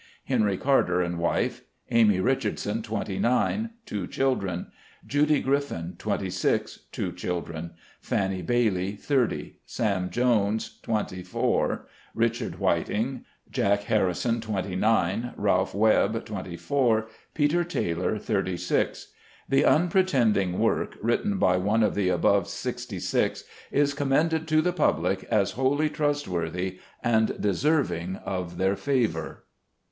Henry Carter, and wife. Amy Richardson, 29, two children. Judy Griffin, 26, two children. Fanny Bailey, 30. Sam. Jones, 24. Richard Whiting. Jack Harrison, 29. Ralph Webb, 24. Peter Taylor, 36. The unpretending work, written by one of the above sixty six, is commended to the public as wholly trustworthy, and deserving of their favor.